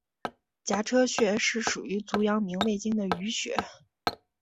颊车穴是属于足阳明胃经的腧穴。